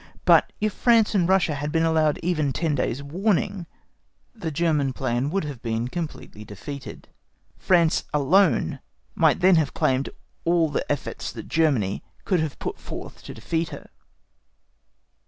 But if France and Russia had been allowed even ten days' warning the German plan would have been completely defeated. France alone might then have claimed all the efforts that Germany could have put forth to defeat her.